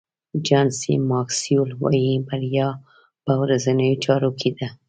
جان سي ماکسویل وایي بریا په ورځنیو چارو کې ده.